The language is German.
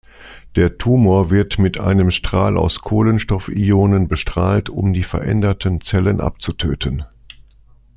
Der Tumor wird mit einem Strahl aus Kohlenstoff-Ionen bestrahlt, um die veränderten Zellen abzutöten.